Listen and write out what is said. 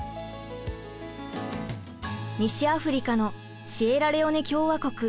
西アフリカのシエラレオネ共和国。